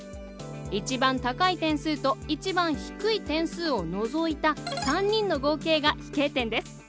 一番高い点数と一番低い点数を除いた３人の合計が飛型点です。